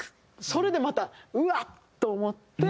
それでまたうわっ！と思って。